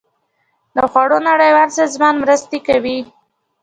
د خوړو نړیوال سازمان مرستې کوي